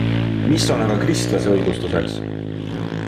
Mis on aga kristlase õigustuseks?